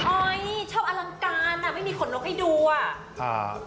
โอ๊ยชอบอลังการไม่มีขนนกให้ดู